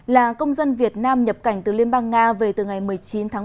là công dân việt nam nhập cảnh từ liên bang nga về từ ngày một mươi chín tháng ba